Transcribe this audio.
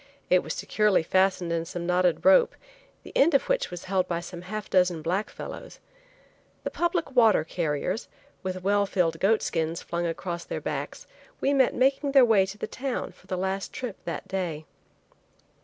It was securely fastened in some knotted rope, the end of which was held by some half dozen black fellows. The public water carriers, with well filled goat skins flung across their backs, we met making their way to the town for the last trip that day.